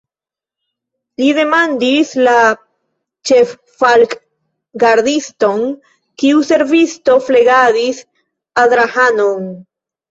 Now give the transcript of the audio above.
Li demandis la ĉeffalkgardiston, kiu servisto flegadis Adrahanon.